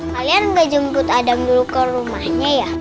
kalian gak jemput adam dulu ke rumahnya ya